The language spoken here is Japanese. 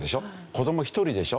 子ども１人でしょ？